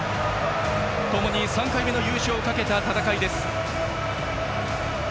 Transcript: ともに３回目の優勝をかけた戦いです。